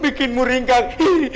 bikin muringkak hihihih